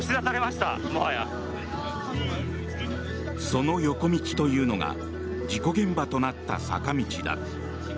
その横道というのが事故現場となった坂道だ。